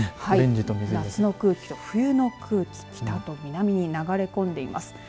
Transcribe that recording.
夏の空気と冬の空気北と南に流れ込んでいます。